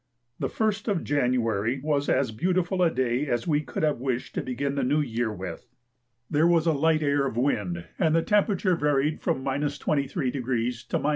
The 1st of January was as beautiful a day as we could have wished to begin the new year with. There was a light air of wind, and the temperature varied from 23° to 26°.